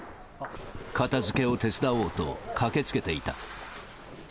片づけを手伝おうと駆けつけていた。